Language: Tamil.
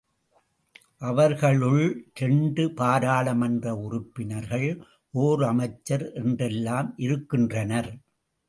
அவர்களுள் இரண்டு பாராளுமன்ற உறுப்பினர்கள், ஒர் அமைச்சர் என்றெல்லாம் இருக்கின்றனர்.